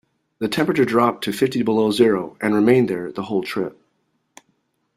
The temperature dropped to fifty below zero and remained there the whole trip.